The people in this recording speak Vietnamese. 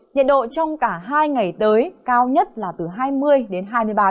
nhiệt độ trong cả hai ngày tới cao nhất là từ hai mươi đến hai mươi hai